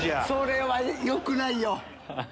それはよくないよ！